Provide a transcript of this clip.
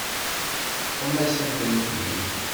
Teṭṭfem-asent-tent-id.